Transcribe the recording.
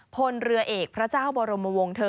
พลเรือเอกพระเจ้าบรมวงเธอ